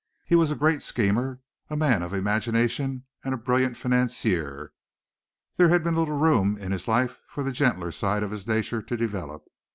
He was a great schemer, a man of imagination, and a brilliant financier. There had been little room in his life for the gentler side of his nature to develop.